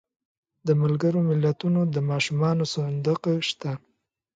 د ملګرو ملتونو د ماشومانو صندوق شته.